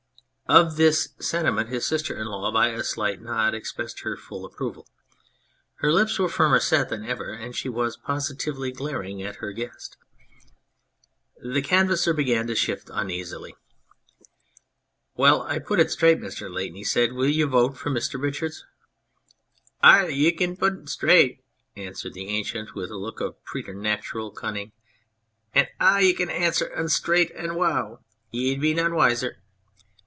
Of this sentiment his sister in law, by a slight nod, expressed her full approval. Her lips were firmer set than ever, and she was positively glaring at her guest. The Canvasser began to shift uneasily. " Well, I put it straight, Mr. Layton," he said "will you vote for Mr. Richards ?"" Ar ! Ye can putt un straaght," answered the Ancient, with a look of preternatural cunning, " and ah can answer un straaght, an wow ! ye'd be none wiser.